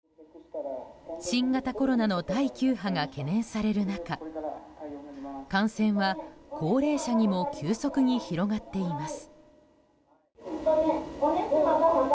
新型コロナの第９波が懸念される中感染は高齢者にも急速に広がっています。